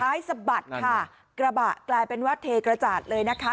สะบัดค่ะกระบะกลายเป็นว่าเทกระจาดเลยนะคะ